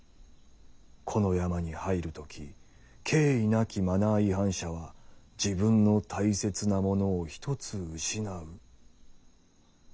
「この山に入る時敬意なきマナー違反者は自分の大切なものを一つ失ふ」。